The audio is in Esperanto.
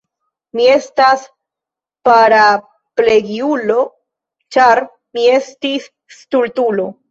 Mi estas paraplegiulo, ĉar mi estis stultulo.